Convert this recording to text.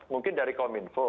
mungkin dari kominfo